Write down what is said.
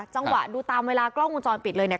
จังหวะดูตามเวลากล้องวงจรปิดเลยเนี่ย